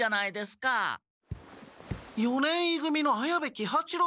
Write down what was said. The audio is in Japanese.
四年い組の綾部喜八郎。